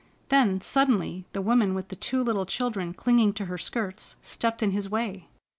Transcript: Then, suddenly, the woman with the two little children clinging to her skirts, stepped in his way.